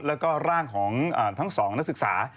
แล้วก็ร่างของทั้งสองนักศึกษา